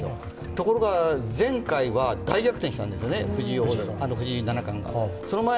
ところが前回は大逆転したんですよね、藤井七冠が。